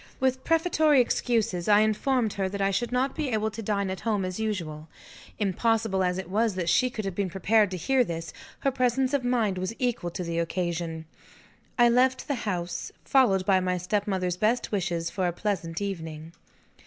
With prefatory excuses, I informed her that I should not be able to dine at home as usual. Impossible as it was that she could have been prepared to hear this, her presence of mind was equal to the occasion. I left the house, followed by my stepmother's best wishes for a pleasant evening.